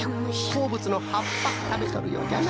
こうぶつのはっぱたべとるようじゃな。